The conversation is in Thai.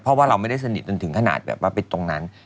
เพราะเราไม่ได้สนิทกันถึงขนาดไปตรงนั้น